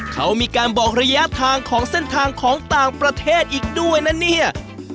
เขามีการบอกระยะทางของเส้นทางของต่างประเทศอีกด้วยนะเนี่ย